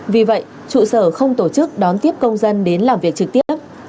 vì vậy trụ sở không tổ chức đón tiếp công dân đến làm việc trực tiếp